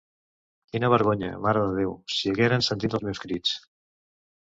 Quina vergonya, Mare de Déu, si hagueren sentit els meus crits!